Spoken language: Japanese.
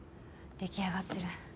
出来上がってる。